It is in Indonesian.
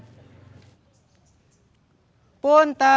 jujur di neraka